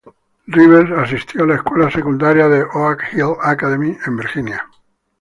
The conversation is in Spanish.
Rivers asistió a la escuela secundaria de Oak Hill Academy en Virginia.